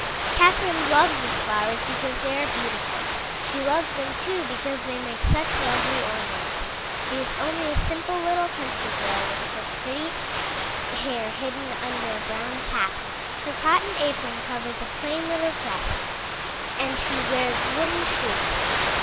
Catherine loves the flowers because they are beautiful. She loves them, too, because they make such lovely ornaments. She is only a simple little country girl, with her pretty 328 IN THE NURSERY hair hidden under a brown cap. Her cotton apron covers a plain little dress, and she wears wooden shoes.